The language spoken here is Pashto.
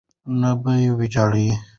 نه په ویجاړۍ.